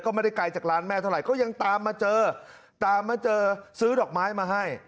ก็ไม่ได้ไกลจากร้านแม่เท่าไหร่ก็ยังตามมาเจอตามมาเจอซื้อดอกไม้มาให้